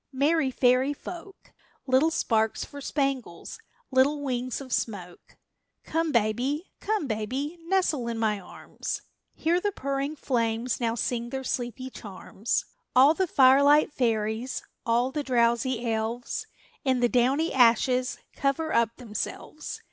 Merry fairy folk! Little sparks for spangles, little wings of smoke! Come baby, come baby, nestle in my arms; Hear the purring flames now sing their sleepy charms. All the firelight fairies, all the drowsy elves, In the downy ashes cover up themselves.